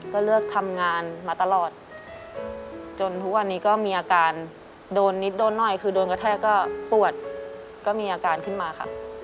ก็เลือกทำงานมาตลอดจนทุกวันนี้ก็มีอาการโดนนิดโดนหน่อยคือโดนกระแทกก็ปวดก็มีอาการขึ้นมาค่ะ